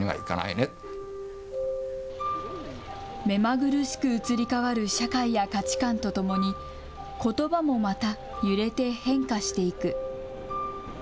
目まぐるしく移り変わる社会や価値観とともにことばもまた揺れて変化していく。